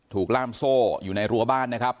ล่ามโซ่อยู่ในรั้วบ้านนะครับ